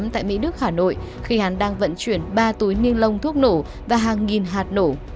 một nghìn chín trăm bốn mươi tám tại mỹ đức hà nội khi hắn đang vận chuyển ba túi niên lông thuốc nổ và hàng nghìn hạt nổ